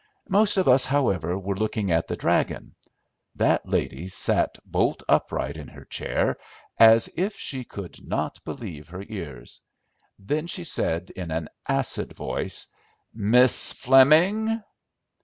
Most of us, however, were looking at the "dragon." That lady sat bolt upright in her chair as if she could not believe her ears. Then she said, in an acid voice, "Miss Fleming."